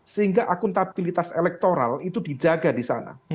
sehingga akuntabilitas elektoral itu dijaga di sana